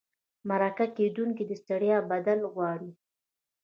مرکه کېدونکي د ستړیا بدل غواړي.